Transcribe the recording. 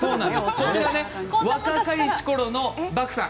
これは若かりしころのバクさん。